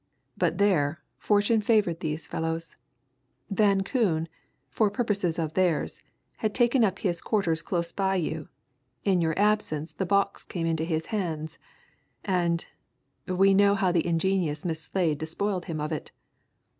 But there, fortune favoured these fellows Van Koon, for purposes of theirs, had taken up his quarters close by you in your absence the box came into his hands. And we know how the ingenious Miss Slade despoiled him of it!"